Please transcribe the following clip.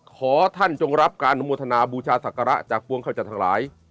ขอท่านจงรับการโมทนาบูชาศักดิ์สิทธิ์จากกวงเข้าจากทั้งหลาย